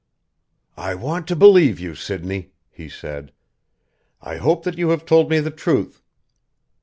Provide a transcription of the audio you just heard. "I want to believe you, Sidney!" he said. "I hope that you have told me the truth.